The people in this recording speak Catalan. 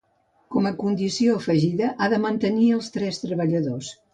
Com a condició afegida ha de mantenir els tres treballadors.